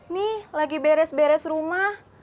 nih lagi beres beres rumah